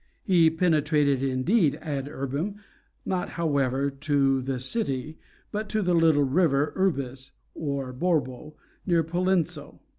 He penetrated indeed ad Urbem, not however "to the City" but to the little river Urbis (or Borbo), near Pollenzo.